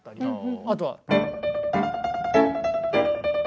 あとは。